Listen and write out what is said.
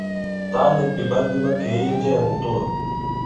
Taa nik bìɓak bi makee i njɛɛ mitowa.